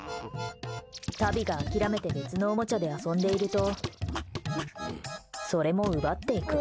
タビが諦めて別のおもちゃで遊んでいるとそれも奪っていく。